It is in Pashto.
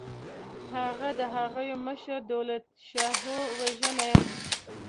هغه د هغوی مشر دولتشاهو وژني.